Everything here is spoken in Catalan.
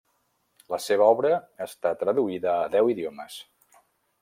La seva obra està traduïda a deu idiomes.